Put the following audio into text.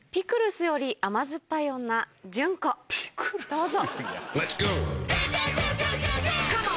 どうぞ。